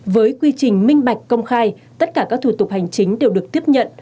với quy trình minh bạch công khai tất cả các thủ tục hành chính đều được tiếp nhận